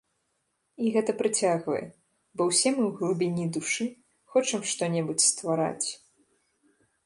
І гэта прыцягвае, бо ўсе мы ў глыбіні душы хочам што-небудзь ствараць.